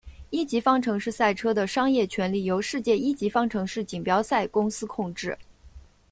一级方程式赛车的商业权利由世界一级方程式锦标赛公司控制。